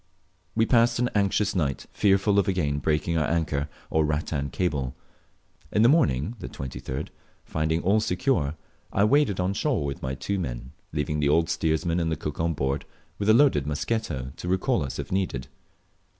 We passed an anxious night, fearful of again breaking our anchor or rattan cable. In the morning (23d), finding all secure, I waded on shore with my two men, leaving the old steersman and the cook on board, with a loaded musketto recall us if needed.